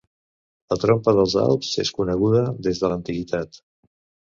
La trompa dels Alps és coneguda des de l'antiguitat.